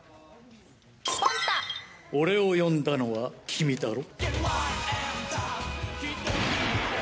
俺を呼んだのは君だろ。